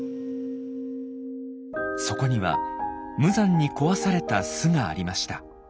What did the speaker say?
そこには無残に壊された巣がありました。